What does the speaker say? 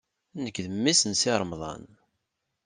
Nekk d memmi-s n Si Remḍan.